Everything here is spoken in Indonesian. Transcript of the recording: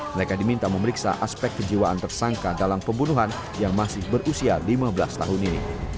mereka diminta memeriksa aspek kejiwaan tersangka dalam pembunuhan yang masih berusia lima belas tahun ini